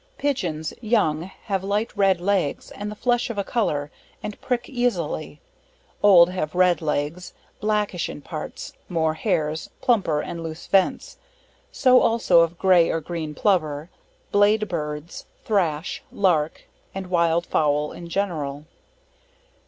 Pigeons, young, have light red legs, and the flesh of a colour, and prick easily old have red legs, blackish in parts, more hairs, plumper and loose vents so also of grey or green Plover, Blade Birds, Thrash, Lark, and wild Fowl in general.